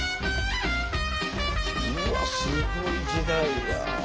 うわすごい時代や。